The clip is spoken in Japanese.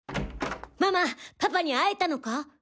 ママパパに会えたのか？